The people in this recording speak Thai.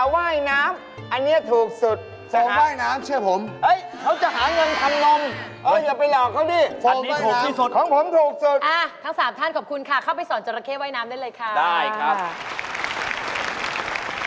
ทั้นจรเคสอบท่านขอบคุณค่ะเข้าไปสอนจรเคไว้น้ำได้เลยค่ะได้ครับ